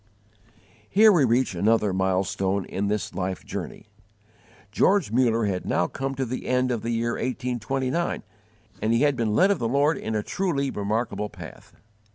Here we reach another mile stone in this life journey. George Muller had now come to the end of the year 1829, and he had been led of the Lord in a truly remarkable path.